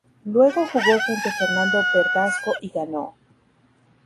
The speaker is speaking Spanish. Luego jugó frente Fernando Verdasco y ganó.